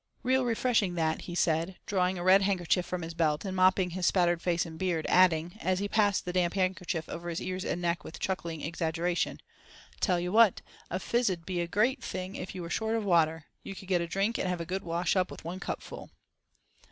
"Real refreshing that!" he said, drawing a red handkerchief from his belt and mopping his spattered face and beard, adding, as he passed the damp handkerchief over his ears and neck with chuckling exaggeration: "Tell you what! A fizz 'ud be a great thing if you were short of water. You could get a drink and have a good wash up with the one cupful."